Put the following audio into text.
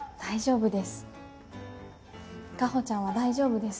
大丈夫です。